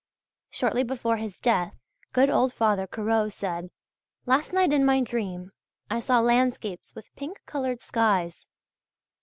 Shortly before his death good old father Corot said: "Last night in my dream I saw landscapes with pink coloured skies."